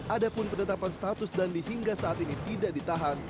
ada pun penetapan status dandi hingga saat ini tidak ditahan